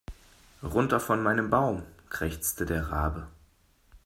Runter von meinem Baum, krächzte der Rabe.